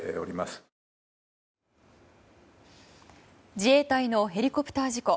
自衛隊のヘリコプター事故。